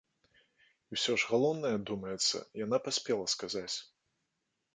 І ўсё ж галоўнае, думаецца, яна паспела сказаць.